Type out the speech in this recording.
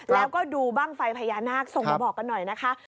แล้วก็ดูบ้างไฟพญานาคส่งมาบอกกันหน่อยนะคะ